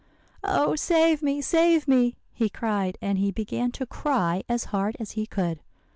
'Oh, save me save me!' he cried; and he began to cry as hard as he could.